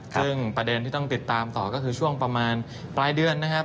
ซึ่งประเด็นที่ต้องติดตามต่อก็คือช่วงประมาณปลายเดือนนะครับ